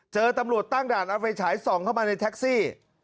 เจอตำรวจตั้งด่านเอาไฟฉายส่องเข้ามาในแท็กซี่